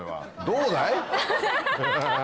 どうだい？